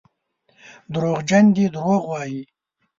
دروغجن دي دروغ وايي.